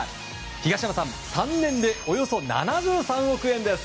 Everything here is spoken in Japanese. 東山さん、３年でおよそ７３億円です！